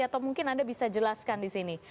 atau mungkin anda bisa jelaskan di sini